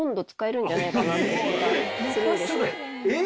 えっ！